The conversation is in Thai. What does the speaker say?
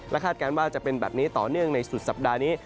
คาดการณ์ว่าจะเป็นแบบนี้ต่อเนื่องในสุดสัปดาห์นี้